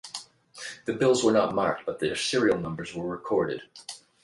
The bills were not marked but their serial numbers were recorded.